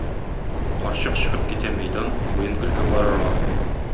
Карчык чыгып китә мәйдан, уен-көлке карарга.